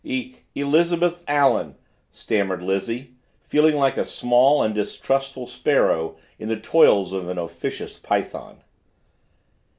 "E Elizabeth Allen," stammered Lizzie, feeling like a small and distrustful sparrow in the toils of an officious python.